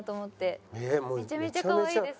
めちゃめちゃかわいいです。